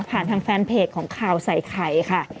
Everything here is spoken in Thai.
ทางแฟนเพจของข่าวใส่ไข่ค่ะ